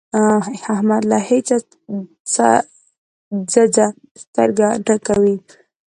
احمد له هيچا څځه سترګه نه کوي.